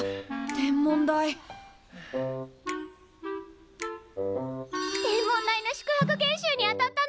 天文台の宿泊研修に当たったの！